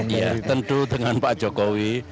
ya tentu dengan pak jokowi